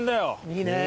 いいね。